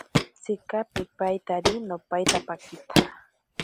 Tsika pipaitari. No paita pakitsa.